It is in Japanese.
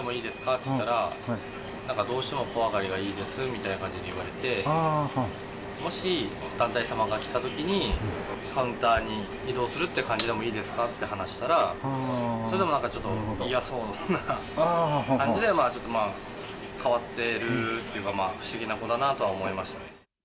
って言ったら、なんかどうしても小上がりがいいですみたいな感じで言われて、もし団体様が来たときに、カウンターに移動するっていう感じでもいいですかって話したら、それでもなんかちょっと嫌そうな感じでは、ちょっとまあ、変わっているっていうか、不思議な子だなとは思いましたね。